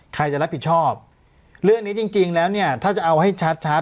ใครจะรับผิดชอบเรื่องนี้จริงแล้วเนี่ยถ้าจะเอาให้ชัดชัด